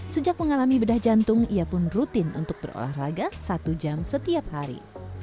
sejak mengalami bedah jantung ia pun rutin untuk berolahraga satu jam setiap hari